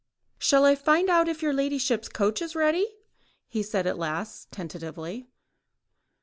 "Shall I find out if your ladyship's coach is ready," he said at last, tentatively.